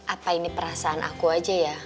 apa ini perasaan aku aja ya